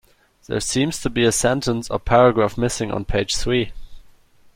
There seems to be a sentence or paragraph missing on page three.